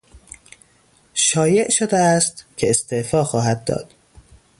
شایع شده است که استعفا خواهد داد.